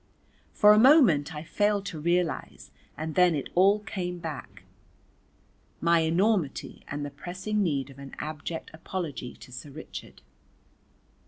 For a moment I failed to realise and then it all came back, my enormity and the pressing need of an abject apology to Sir Richard.